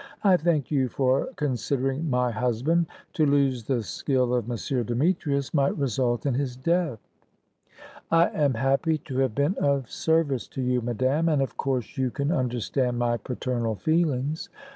I thank you for considering my husband. To lose the skill of M. Demetrius might result in his death." "I am happy to have been of service to you, madame, and of course, you can understand my paternal feelings."